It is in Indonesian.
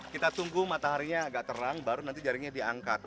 kita tunggu mataharinya agak terang baru nanti jaringnya diangkat